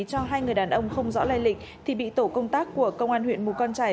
cho hai người đàn ông không rõ lây lịch thì bị tổ công tác của công an huyện mù căng trải